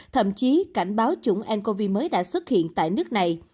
thậm chí cảnh báo chủng ncov mới đã xuất hiện tại nước này